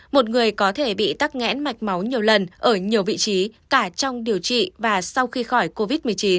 một người có thể bị tắc nghẽn mạch máu nhiều lần ở nhiều vị trí cả trong điều trị và sau khi khỏi covid một mươi chín